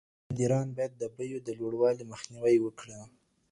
مدیران باید د بیو د لوړوالي مخنیوی وکړي.